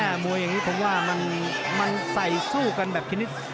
แม่มวยังนี้ผมว่ามันใส่สู้กันแบบคินิส